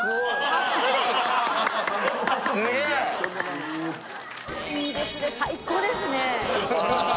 すげえいいですね最高ですね